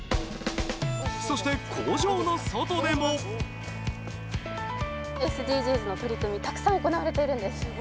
そして、工場の外でもＳＤＧｓの取り組み、たくさん行われているんです。